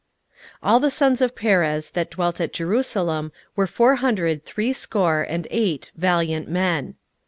16:011:006 All the sons of Perez that dwelt at Jerusalem were four hundred threescore and eight valiant men.